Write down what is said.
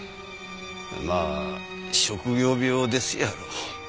まあ職業病ですやろ。